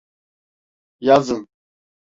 Yazın…